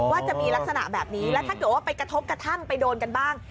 ว่าจะมีลักษณะแบบนี้แล้วถ้าเกิดว่าไปกระทบกระทั่งไปโดนกันบ้าง